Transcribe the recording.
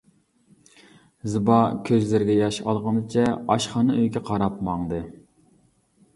زىبا كۆزلىرىگە ياش ئالغىنىچە ئاشخانا ئۆيگە قاراپ ماڭدى.